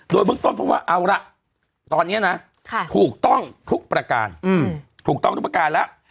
โดยเบื้องต้นเพราะว่าเอาละตอนนี้นะถูกต้องทุกประการถูกต้องทุกประการแล้ว